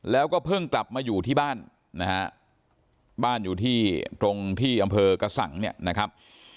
แล้วก็เพิ่งกลับมาอยู่ที่บ้านนะฮะบ้านอยู่ที่ตรงที่อำเภอกระสังเนี่ยนะครับ